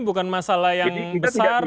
bukan masalah yang besar